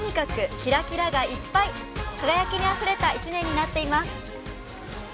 輝きにあふれた１年になっています。